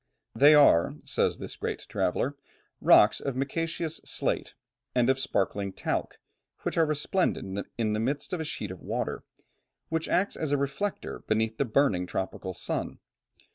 "They are," says this great traveller, "rocks of micaceous slate, and of sparkling talc, which are resplendent in the midst of a sheet of water, which acts as a reflector beneath the burning tropical sun."